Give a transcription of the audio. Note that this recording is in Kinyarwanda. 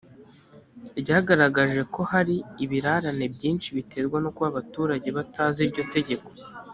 ryagaragaje ko hari ibirarane byinshi biterwa no kuba abaturage batazi iryo tegeko